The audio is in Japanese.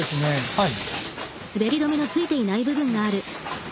はい。